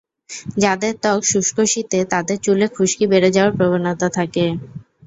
যাঁদের ত্বক শুষ্ক শীতে তাঁদের চুলে খুশকি বেড়ে যাওয়ার প্রবণতা থাকে।